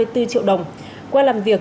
ba mươi bốn triệu đồng qua làm việc